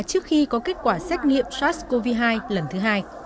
trước khi có kết quả xét nghiệm sars cov hai lần thứ hai